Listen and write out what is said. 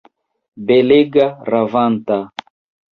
Belega, ravanta!